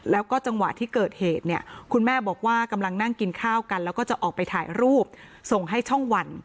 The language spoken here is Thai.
แล้วก็จังหวะที่เกิดเหตุเนี่ยคุณแม่บอกว่ากำลังนั่งกินข้าวกันแล้วก็จะออกไปถ่ายรูปส่งให้ช่องวัน